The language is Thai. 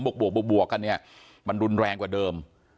บวกบวกอันนี้มันรุนแรงกว่าเดิม